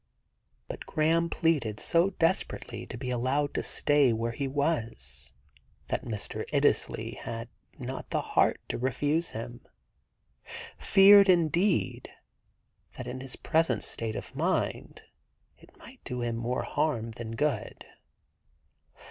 But Graham pleaded so desperately to be allowed to stay where he was that Mr. Iddesleigh had not the heart to refuse him — feared, indeed, that in his present state of mind it might do him more harm than good.